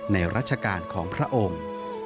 ในราชการของพระองค์